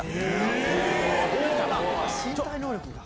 身体能力が。